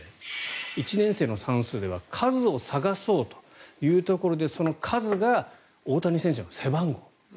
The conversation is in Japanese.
１年生の算数では「かずをさがそう」というところでその数が大谷選手の背番号。